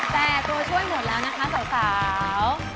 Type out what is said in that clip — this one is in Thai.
แต่ตัวช่วยหมดแล้วนะคะสาว